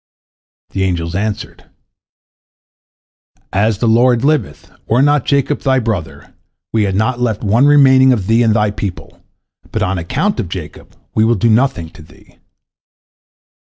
The angels answered, "As the Lord liveth, were not Jacob thy brother, we had not left one remaining of thee and thy people, but on account of Jacob we will do nothing to thee."